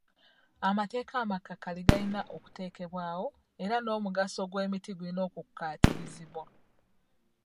Amateeka amakakali galina okuteekebwawo era n'omugaso gw'emiti gulina okukkaatirizibwa.